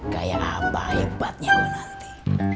kayak apa hebatnya gue nanti